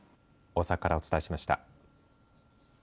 大阪からお伝えしました。